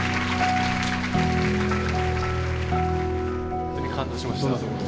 ほんとに感動しました。